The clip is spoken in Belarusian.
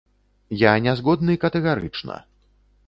Я не згодны катэгарычна.